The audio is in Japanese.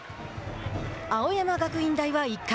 青山学院大は、１回。